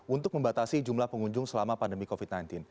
untuk membatasi jumlah pengunjung selama pandemi covid sembilan belas